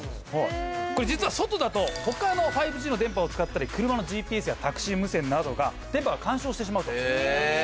これ実は外だとほかの５Ｇの電波を使ったり車のＧＰＳやタクシー無線などが電波が干渉してしまうと。